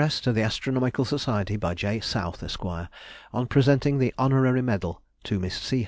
_] _Address to the Astronomical Society, by J. South, Esq., on presenting the Honorary Medal to Miss C.